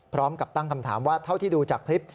พร้อมกับตั้งคำถามว่าเท่าที่ดูจากคลิป